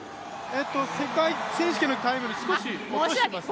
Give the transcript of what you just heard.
世界選手権のタイムより少し落としていますね。